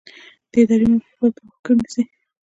د ادارې موقف باید په پام کې ونیسئ.